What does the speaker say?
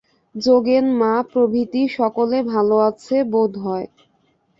যোগেন-মা প্রভৃতি সকলে ভাল আছে বোধ হয়।